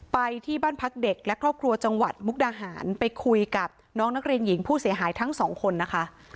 ไปที่บ้านพักเด็กและครอบครัวจังหวัดมุกดาหารไปคุยกับน้องนักเรียนหญิงผู้เสียหายทั้งสองคนนะคะ